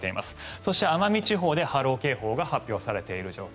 そして奄美地方で波浪警報が発表されている状況。